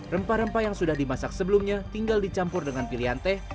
rempah rempah yang sudah dimasak sebelumnya tinggal dicampur dengan pilihan teh